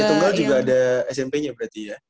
tritunggal juga ada smp nya berarti ya